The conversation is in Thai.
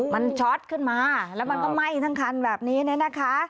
มันช็อตขึ้นมาแล้วมันก็ไหม้ทั้งคันแบบนี้เนี่ยนะคะ